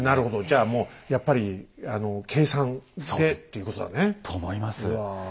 じゃあもうやっぱり計算でということだね。と思います。